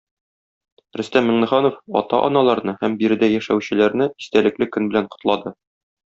Рөстәм Миңнеханов ата-аналарны һәм биредә яшәүчеләрне истәлекле көн белән котлады.